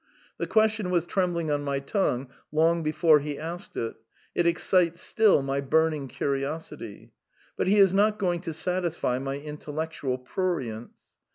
The ques tion was trembling on my tongue long before he asked it; it excites still my burning curiosity. But he is not going to satisfy my intellectual prurience.